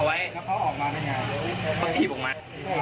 เราเทียบออกมา